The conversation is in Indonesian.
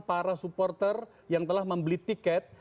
para supporter yang telah membeli tiket